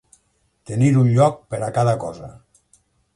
Tenir un lloc per a cada cosa.